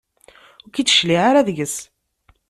Ur k-id-tecliɛ ara seg-s.